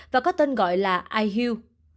bốn trăm linh hai và có tên gọi là ihu